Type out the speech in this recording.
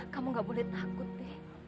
kamu gak boleh takut deh